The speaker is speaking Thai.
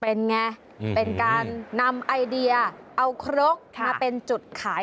เป็นไงเป็นการนำไอเดียเอาครกมาเป็นจุดขาย